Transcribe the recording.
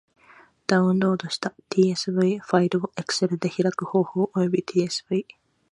ダウンロードした tsv ファイルを Excel で開く方法及び tsv ...